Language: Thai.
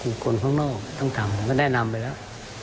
คือคนข้างนอกต้องทำก็แนะนำไปแล้ว